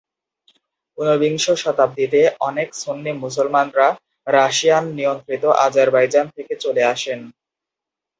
ঊনবিংশ শতাব্দীতে, অনেক সুন্নি মুসলমানরা রাশিয়ান-নিয়ন্ত্রিত আজারবাইজান থেকে চলে আসেন।